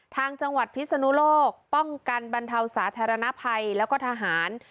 ทางจังหวัดพิศนุโลกป้องกันบรรเทาสาธารณภัยแล้วก็ทหาร